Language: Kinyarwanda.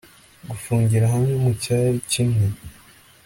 Gufungira hamwe mucyari kimwe